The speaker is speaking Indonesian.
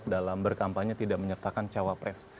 dalam berkampanye tidak menyertakan cawapres